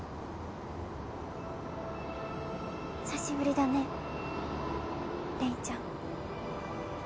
久しぶりだね玲ちゃん。